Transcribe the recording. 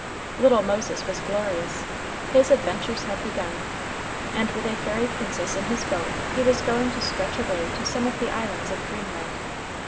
Little Moses was glorious, his adventures had begun, and with a fairy princess in his boat, he was going to stretch away to some of the islands of dreamland.